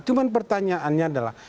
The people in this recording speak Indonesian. cuma pertanyaannya adalah